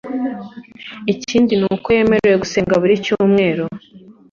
ikindi ni uko yemerewe gusenga buri cyumweru